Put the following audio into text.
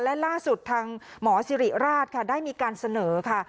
และล่าสุดทางหมอสิริราชค่ะได้มีการเสนอค่ะ